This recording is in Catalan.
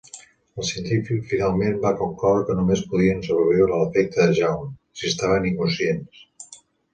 El científic finalment va concloure que només podien sobreviure a "l'efecte de Jaunt", si estaven inconscients.